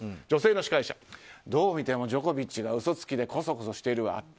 女性の司会者はどう見てもジョコビッチ選手が嘘つきでこそこそしているわ。